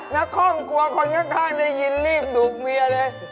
น้าคอมกลัวคนข้างในยินรีบดูกเมียเลย